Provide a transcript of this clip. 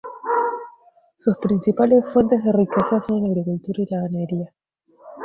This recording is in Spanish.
Sus principales fuentes de riqueza son la agricultura y la ganadería.